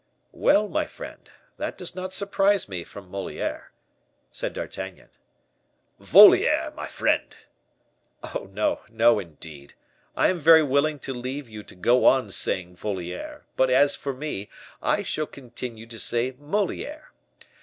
"Well, my friend, that does not surprise me from Moliere," said D'Artagnan. "Voliere, my friend." "Oh, no, no, indeed! I am very willing to leave you to go on saying Voliere; but, as for me, I shall continued to say Moliere.